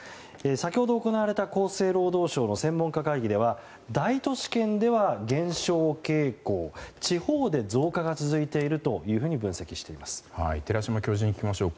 先ほど行われた厚生労働省の専門家会議では大都市圏では減少傾向地方で増加が続いていると寺嶋教授に聞きましょう。